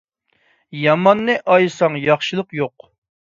ياماننى ئايىساڭ ياخشىلىق يوق.